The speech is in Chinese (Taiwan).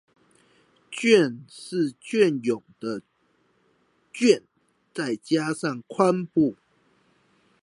「寯」是雋永的「雋」再加上「宀」部